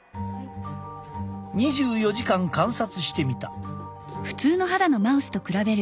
２４時間観察してみた。